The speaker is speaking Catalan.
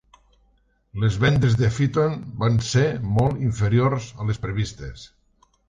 Les vendes de Phaeton van ser molt inferiors a les previstes.